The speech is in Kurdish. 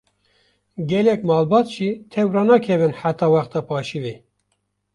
Gelek malbat jî tew ranakevin heta wexta paşîvê.